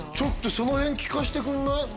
そのへん聞かしてくんない？